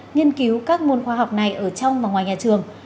nghiên cứu các môn khoa học này ở trong và ngoài nhà trường